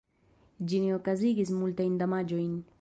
Ĝi ne okazigis multajn damaĝojn.